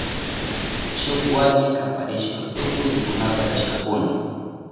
Shuk warmi kaparishpan tukuy rikunapa rishkakuna.